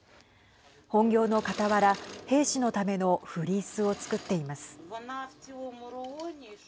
本業のかたわら、兵士のためのフリースを作っています。